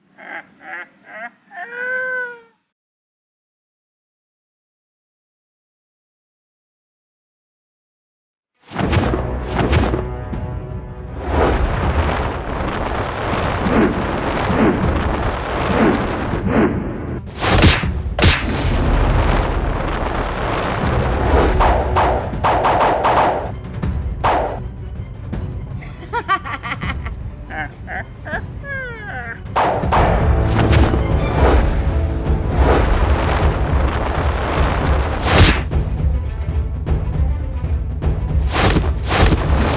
jangan sampai hancurkan makanan yang v cripp